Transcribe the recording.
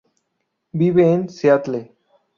Vive en Seattle.